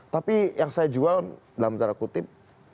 tapi yang saya jual dalam tanda kutip